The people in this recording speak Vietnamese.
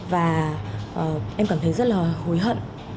và em cảm thấy rất là hối hận